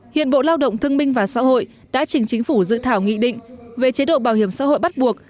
hiện bộ lao động thương minh và xã hội đã chỉnh chính phủ dự thảo nghị định về chế độ bảo hiểm xã hội bắt buộc